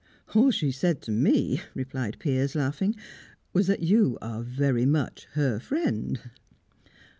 "All she said to me," replied Piers, laughing, "was that you are very much her friend."